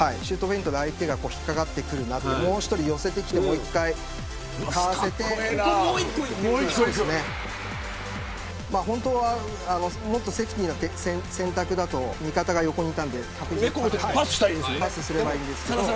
相手が引っ掛かってくるなもう１人寄せてきて、もう１回かわして本当はもっとセーフティーな選択だと味方が横にいたのでパスすればいいんですけど。